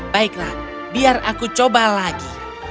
baiklah biar aku coba lagi